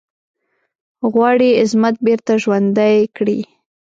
غواړي عظمت بیرته ژوندی کړی.